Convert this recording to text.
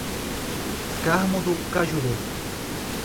Carmo do Cajuru